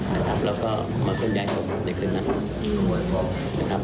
เราก็มาเคลื่อนไยศตรงเด็กขึ้นนะเนี๊ยะครับ